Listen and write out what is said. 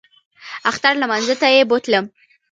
اختر لمانځه ته یې بوتلم.